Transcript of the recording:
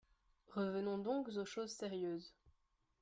Revenons donc aux choses sérieuses.